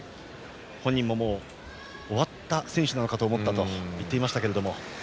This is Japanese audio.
本人も、もう終わった選手なのかと思ったと言っていましたけども。